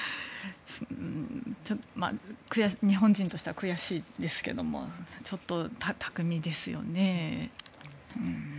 日本人としては悔しいですけどもちょっと巧みですよね。